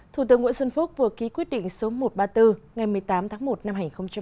thủ tướng nguyễn xuân phúc vừa ký quyết định số một trăm ba mươi bốn ngày một mươi tám tháng một năm hai nghìn hai mươi